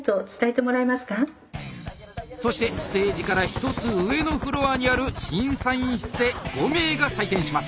そしてステージから１つ上のフロアにある審査員室で５名が採点します。